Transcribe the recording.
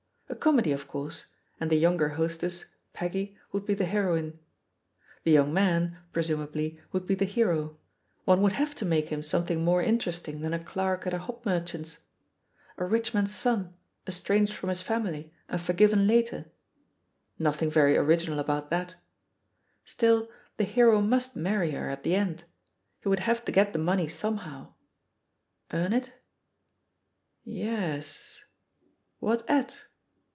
A com edy, of course, and the younger hostess, Peggy, would be the heroine. The young man, presum THE POSITION OF PEGGY HARPER 76 ably, would be the hero — one would have to make him something more interesting than a eleik at a hop merchant's. A rich man's son, estranged from his family and forgiven later? Nothing very original about that. Still the hero must marry her at the end — ^he would have to get the money somehow I Earn it? Y e s. What at?